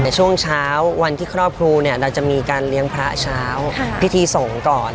แต่ช่วงเช้าวันที่ครอบครูเนี่ยเราจะมีการเลี้ยงพระเช้าพิธีส่งก่อน